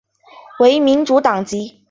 为民主党籍。